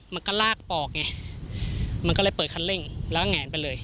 มันก็ลากปอกไงมันก็เลยเปิดคันเร่งแล้วก็แงนไปเลย